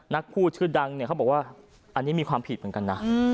นักพูดชื่อดังเนี่ยเขาบอกว่าอันนี้มีความผิดเหมือนกันนะ